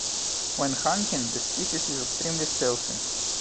When hunting, this species is extremely stealthy.